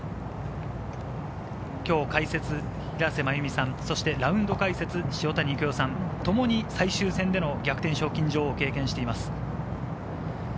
今日解説の平瀬真由美さん、そしてラウンド解説の塩谷育代さん、ともに最終戦での賞金女王を経験しています。